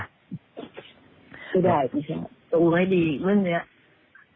ก็ได้ค่ะตรงไหนดีเมื่อนี้